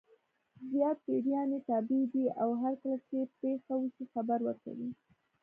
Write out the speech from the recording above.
زیات پیریان یې تابع دي او هرکله چې پېښه وشي خبر ورکوي.